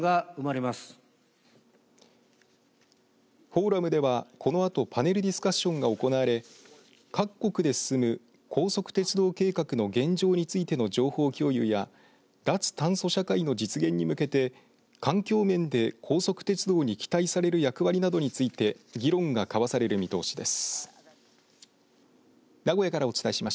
フォーラムでは、このあとパネルディスカッションが行われ各国で進む高速鉄道計画の現状についての情報共有や脱炭素社会の実現に向けて環境面で高速鉄道に期待される役割などについて議論が交わされる見通しです。